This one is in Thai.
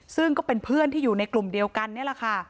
ซึ่งก็เป็นเพื่อนที่อยู่ในกลุ่มเดียวกันนี่แหละค่ะ